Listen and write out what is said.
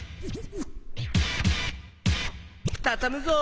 たたむぞ。